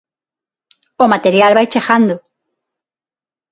O material vai chegando.